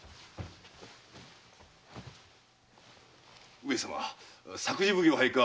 上様作事奉行配下北川